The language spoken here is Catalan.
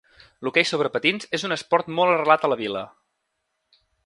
L'hoquei sobre patins és un esport molt arrelat a la vila.